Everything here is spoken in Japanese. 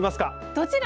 どちら？